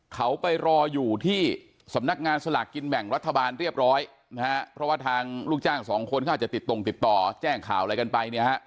เขาไปรออยู่ที่สำนักงานสลากกินแบ่งรัฐบาลเรียบร้อยนะฮะเพราะว่าทางลูกจ้างสองคนเขาอาจจะติดตรงติดต่อแจ้งข่าวอะไรกันไปเนี่ยฮะ